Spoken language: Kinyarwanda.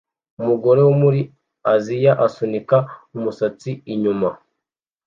Umugore wo muri Aziya asunika umusatsi inyuma